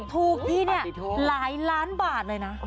ถูกที่เนี่ยหลายล้านบาทเลยนะ